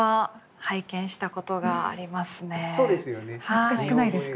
懐かしくないですか？